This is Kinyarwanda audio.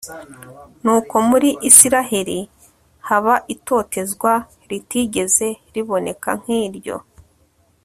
nuko muri israheli haba itotezwa ritigeze riboneka nk'iryo